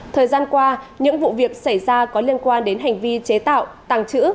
thời gian qua những vụ việc xảy ra có liên quan đến hành vi chế tạo tàng trữ